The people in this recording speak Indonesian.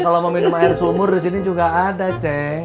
kalau mau minum air sumur disini juga ada ceng